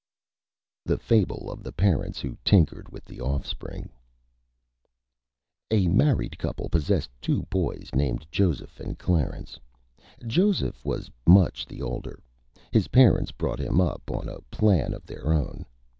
_ THE FABLE OF THE PARENTS WHO TINKERED WITH THE OFFSPRING A married Couple possessed two Boys named Joseph and Clarence. Joseph was much the older. His Parents brought him up on a Plan of their Own.